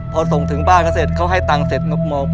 พอส่งถึงบ้านแล้วเขาให้เงินเสร็จ